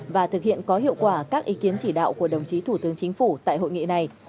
và thực hiện có hiệu quả các ý kiến chỉ đạo của đồng chí thủ tướng chính phủ tại hội nghị này